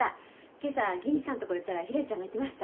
今朝銀次さんとこ寄ったらひらりちゃんが言ってました。